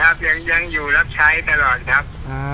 ไม่ไปไหนครับยังอยู่รับใช้ตลอดครับ